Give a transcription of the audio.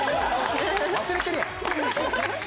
忘れてるやん。